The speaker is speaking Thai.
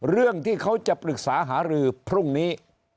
เรื่องที่เขาจะปรึกษาหารือพรุ่งนี้